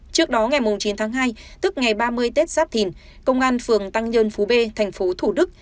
trước đó ngày chín tháng hai tức ngày ba mươi tết giáp thìn công an phường tăng nhơn phú b tp thủ đức